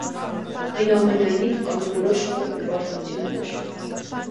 Այնուամենայնիվ, կան որոշ փոքր բարդություններ։